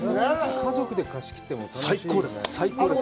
家族で貸し切っても楽しいよね？